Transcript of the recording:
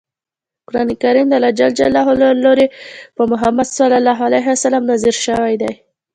قران کریم دالله ج له لوری په محمد ص نازل شوی دی.